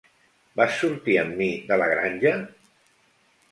Vas sortir amb mi de La granja?